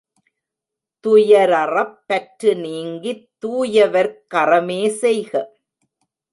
துயரறப் பற்று நீங்கித் தூயவர்க் கறமே செய்க.